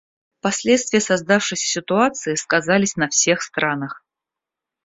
Последствия создавшейся ситуации сказались на всех странах.